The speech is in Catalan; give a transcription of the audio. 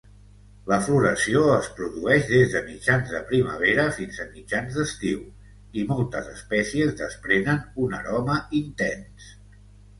La floració es produeix des de mitjans de primavera fins a mitjans d'estiu, i moltes espècies desprenen un aroma intens.